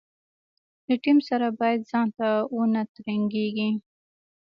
له ټیم سره باید ځانته ونه ترنګېږي.